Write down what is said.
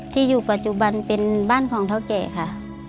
ที่อยู่ปัจจุบันเป็นบ้านของเท่าแก่ค่ะ